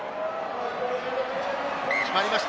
決まりました。